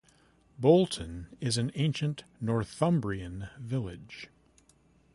Bolton is an ancient Northumbrian village.